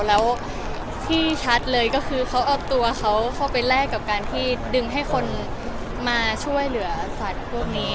แล้วที่ชัดเลยก็คือเขาเอาตัวเขาเข้าไปแลกกับการที่ดึงให้คนมาช่วยเหลือสัตว์พวกนี้